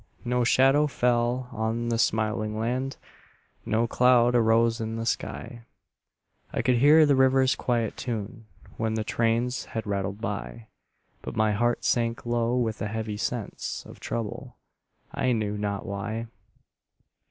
No shadow fell on the smiling land, No cloud arose in the sky; I could hear the river's quiet tune When the trains had rattled by; But my heart sank low with a heavy sense Of trouble, I knew not why.